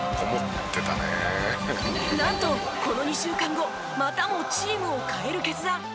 なんとこの２週間後またもチームを変える決断。